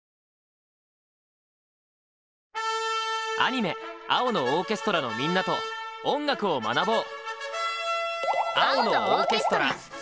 アニメ「青のオーケストラ」のみんなと音楽を学ぼう！